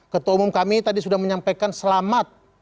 ketua umum kami tadi sudah menyampaikan selamat